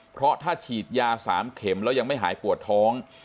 เพราะถ้าฉีดยา๓เข็มแล้วยังไม่หายปวดท้อง